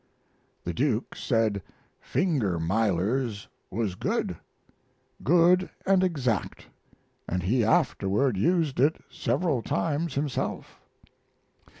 The Duke said "finger milers was good" good and exact; and he afterward used it several times himself.